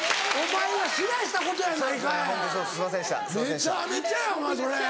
めちゃめちゃやお前それ。